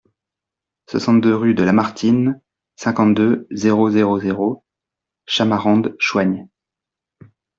soixante-deux rue de Lamartine, cinquante-deux, zéro zéro zéro, Chamarandes-Choignes